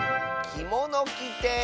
「きものきて」